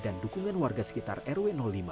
dan dukungan warga sekitar rw lima